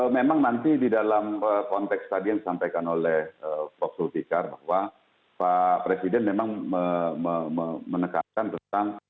memang nanti di dalam konteks tadi yang disampaikan oleh prof zulfikar bahwa pak presiden memang menekankan tentang